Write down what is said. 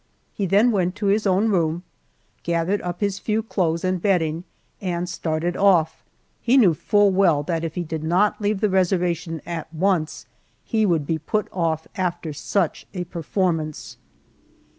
He then went to his own room, gathered up his few clothes and bedding, and started off. He knew full well that if he did not leave the reservation at once he would be put off after such a performance.